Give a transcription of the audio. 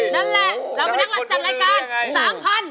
นั่นแหละเราไปนักรัดจำรายการ